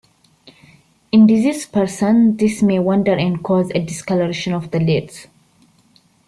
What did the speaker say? In diseased persons these may wander and cause a discoloration of the lids.